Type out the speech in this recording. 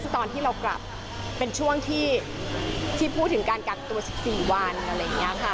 ตอนที่เรากลับเป็นช่วงที่พูดถึงการกักตัว๑๔วันอะไรอย่างนี้ค่ะ